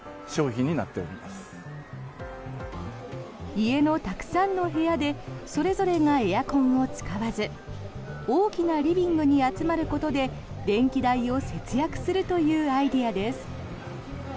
家のたくさんの部屋でそれぞれがエアコンを使わず大きなリビングに集まることで電気代を節約するというアイデアです。